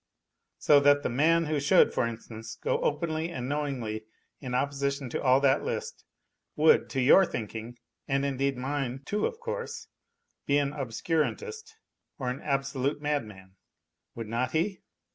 So that the man who should, for instance, go openly and knowingly in opposition to all that list would, to your thinking, and indeed mine, too, of course, be an obscurantist or an absolute madman : would not he